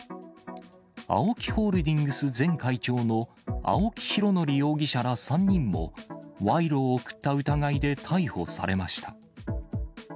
ＡＯＫＩホールディングス前会長の青木拡憲容疑者ら、３人も、賄賂を贈った疑いで逮捕されました。